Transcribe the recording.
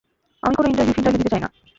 আমি কোনো ইন্টারভিউ ফিন্টারভিউ দিতে চাই না।